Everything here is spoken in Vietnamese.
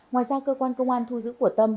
ngoài ra cơ quan công an thu giữ của tâm